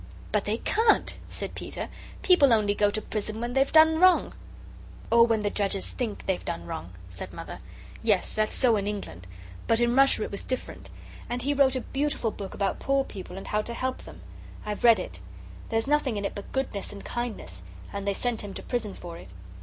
"But they CAN'T," said Peter; "people only go to prison when they've done wrong." "Or when the Judges THINK they've done wrong," said Mother. "Yes, that's so in England. But in Russia it was different. And he wrote a beautiful book about poor people and how to help them. I've read it. There's nothing in it but goodness and kindness. And they sent him to prison for it.